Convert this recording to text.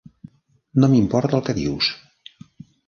No m'importa el que dius.